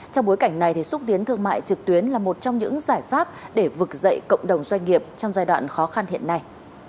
trong bối cảnh này xúc tiến thương mại trực tuyến là một trong những giải pháp để vực dậy cộng đồng doanh nghiệp trong giai đoạn khó khăn hiện nay